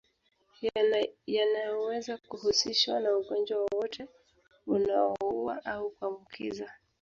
Yanaoweza kuhusishwa na ugonjwa wowote aunaoua au kuambukiza